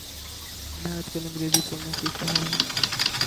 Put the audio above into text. میں آج کل انگریزی بولنا سیکھ رہا ہوں